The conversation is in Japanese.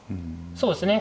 そうですね。